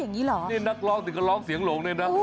นักร้องกับงูเห่าแต่ก็ร้องเสียงหลงเลยนะ